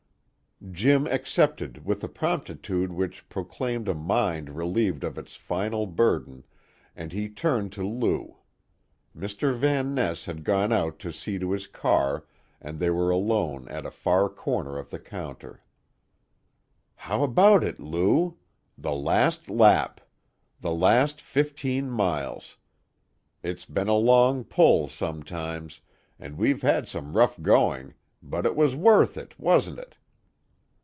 Jim accepted with a promptitude which proclaimed a mind relieved of its final burden, and he turned to Lou. Mr. Van Ness had gone out to see to his car, and they were alone at a far corner of the counter. "How about it, Lou? The last lap! The last fifteen miles. It's been a long pull sometimes, and we've had some rough going, but it was worth it, wasn't it?"